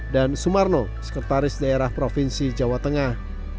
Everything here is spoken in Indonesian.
dan sumarno sekretaris daerah provinsi jawa tengah